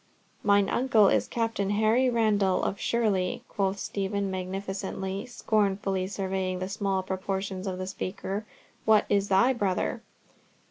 "Mine uncle is Captain Harry Randall, of Shirley," quoth Stephen magnificently, scornfully surveying the small proportions of the speaker, "What is thy brother?"